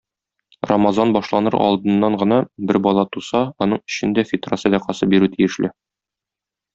Рамазан башланыр алдыннан гына бер бала туса, аның өчен дә фитра сәдакасы бирү тиешле.